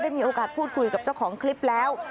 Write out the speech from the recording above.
มีโอกาสพูดคุยกับเจ้าของคลิปแล้ว